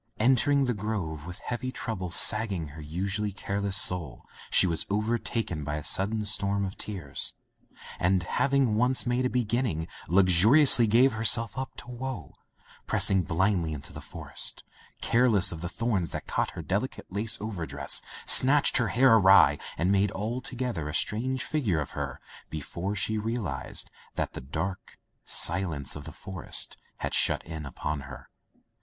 Entering the grove with heavy trouble sagging her usually careless soul, she was overtaken by a sudden storm of tears, and having once made a beginning, luxuri ously gave herself up to woe, pressing blindly into the forest, careless of the thorns that [ 278 ] Digitized by LjOOQ IC Son of the Woods caught at her delicate lace over dress, snatched her hair awry, and had made alto gether a strange figure of her before she realized that the dark silence of the forest had shut in upon her.